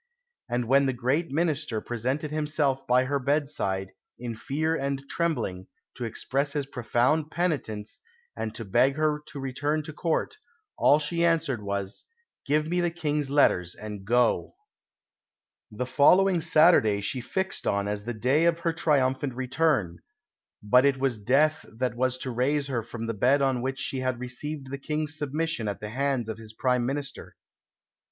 And when the great minister presented himself by her bedside, in fear and trembling, to express his profound penitence and to beg her to return to Court, all she answered was, "Give me the King's letters and go!" The following Saturday she fixed on as the day of her triumphant return "but it was death that was to raise her from the bed on which she had received the King's submission at the hands of his Prime Minister."